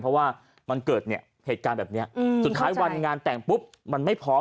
เพราะว่ามันเกิดเนี่ยเหตุการณ์แบบนี้สุดท้ายวันงานแต่งปุ๊บมันไม่พร้อม